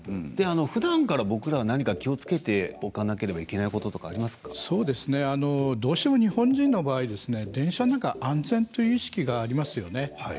ふだんから僕らは何か気をつけておかなければいけないこととかどうしても日本人の場合電車の中は安全という意識がありますよね。